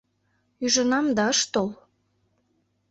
Ӱжынам, да ыш тол.